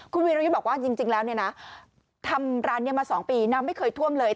คุณวีรยุทธ์บอกว่าจริงแล้วเนี่ยนะทำร้านนี้มา๒ปีน้ำไม่เคยท่วมเลย